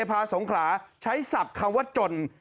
นายอำเภอเทพะทรงขลาใช้ศัพท์คำว่าจน